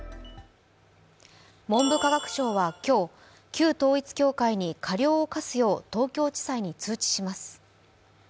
文部科学省は今日、旧統一教会に過料を科すよう東京地裁に通知します。